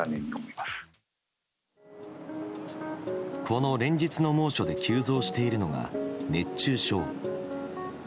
この連日の猛暑で急増しているのが熱中症。